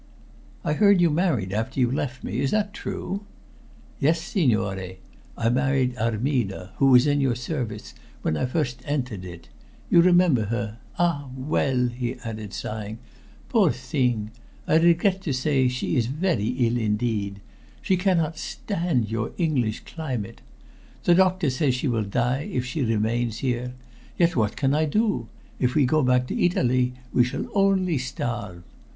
"I heard you married after you left me. Is that true?" "Yes, signore. I married Armida, who was in your service when I first entered it. You remember her? Ah, well!" he added, sighing. "Poor thing! I regret to say she is very ill indeed. She cannot stand your English climate. The doctor says she will die if she remains here. Yet what can I do? If we go back to Italy we shall only starve."